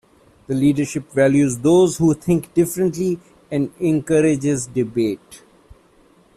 The leadership values those who think differently and encourages debate.